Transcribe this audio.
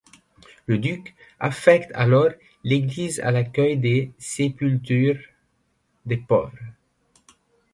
Le duc affecte alors l'église à l'accueil des sépultures des pauvres.